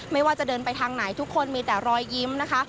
ไม่ว่าจะเดินไปทางไหนทุกคนมีแต่รอยยิ้มนะคะ